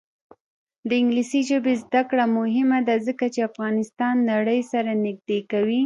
د انګلیسي ژبې زده کړه مهمه ده ځکه چې افغانستان نړۍ سره نږدې کوي.